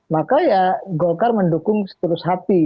maka ya golkar mendukung seterus hati